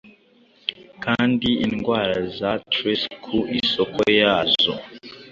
Kandi indwara za trace ku isoko yazo.